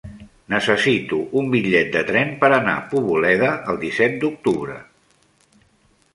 Necessito un bitllet de tren per anar a Poboleda el disset d'octubre.